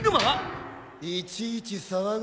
・いちいち騒ぐな。